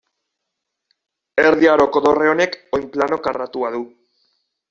Erdi Aroko dorre honek oinplano karratua du.